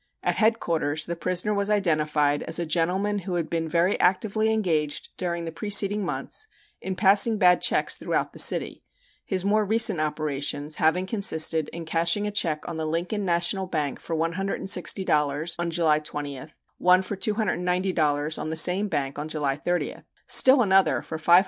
At Headquarters the prisoner was identified as a gentleman who had been very actively engaged during the preceding months in passing bad checks throughout the city, his more recent operations having consisted in cashing a check on the Lincoln National Bank for $160 on July 20th, one for $290 on the same bank on July 30th, still another for $510.